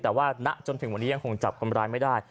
แต่ว่าณจนถึงวันนี้ยังคงจับคนร้ายไม่ได้